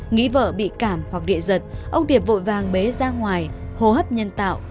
nghĩ vợ bị cảm hoặc địa dật ông tiệp vội vàng bế ra ngoài hồ hấp nhân tạo